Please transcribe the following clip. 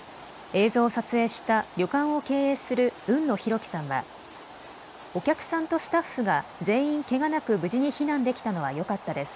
映像を撮影した旅館を経営する海野博揮さんはお客さんとスタッフが全員けがなく無事に避難できたのはよかったです。